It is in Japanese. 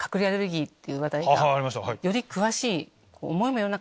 より詳しい。